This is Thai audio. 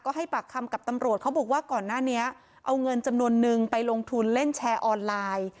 ให้ปากคำกับตำรวจเขาบอกว่าก่อนหน้านี้เอาเงินจำนวนนึงไปลงทุนเล่นแชร์ออนไลน์